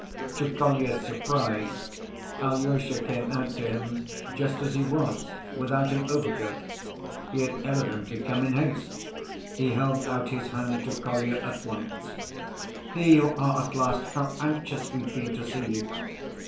To Kolya's surprise, Alyosha came out to him just as he was, without an overcoat. He had evidently come in haste. He held out his hand to Kolya at once. "Here you are at last! How anxious we've been to see you!"